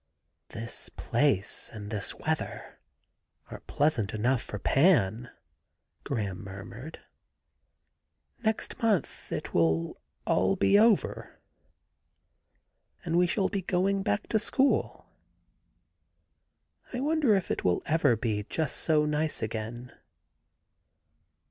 'This place and this weather are pleasant enough for Pan,' Graham murmured. •* Next month it will be all over, and we shall be going back to school. I wonder if it will ever be just so nice again.'